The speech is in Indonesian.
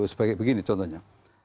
sebagai begini contohnya